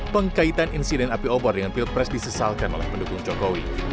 pengkaitan insiden api obor dengan pilpres disesalkan oleh pendukung jokowi